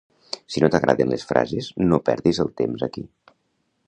Si no t'agraden les frases no perdis el temps aqui